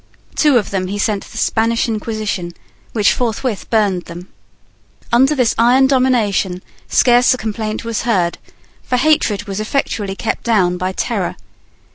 Two of them he sent to the Spanish Inquisition, which forthwith burned them. Under this iron domination scarce a complaint was heard; for hatred was effectually kept down by terror.